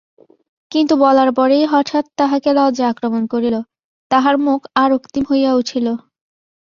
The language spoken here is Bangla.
কিন্তু বলার পরেই হঠাৎ তাহাকে লজ্জা আক্রমণ করিল, তাহার মুখ আরক্তিম হইয়া উঠিল।